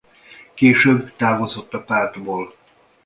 Később távozott a pártból.